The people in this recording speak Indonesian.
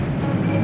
gue kerjain bang